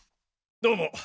どうも！